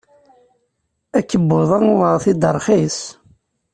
Akebbuḍ-a uɣeɣ-t-id rxis.